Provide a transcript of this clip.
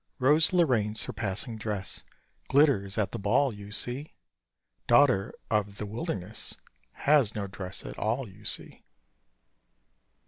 Rose Lorraine's surpassing dress Glitters at the ball, you see: Daughter of the wilderness Has no dress at all, you see.